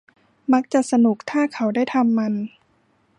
มันจะสนุกถ้าเขาได้ทำมัน